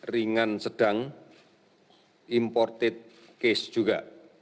ringan sedang imported case juga